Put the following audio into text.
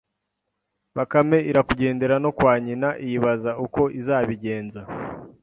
Bakame irakugendera no kwa nyina iyibaza uko izabigenza